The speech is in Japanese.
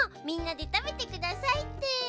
「みんなでたべてください」って。